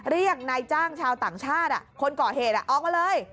เรียกนายจ้างชาวต่างชาติคนก่อเหตุออกมาเลย